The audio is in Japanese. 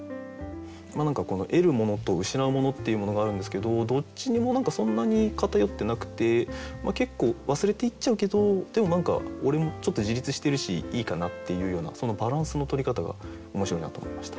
何かこの得るものと失うものっていうものがあるんですけどどっちにも何かそんなに偏ってなくて結構忘れていっちゃうけどでも何か俺もちょっと自立してるしいいかなっていうようなそのバランスのとり方が面白いなと思いました。